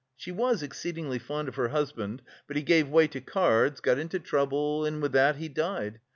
She was exceedingly fond of her husband; but he gave way to cards, got into trouble and with that he died.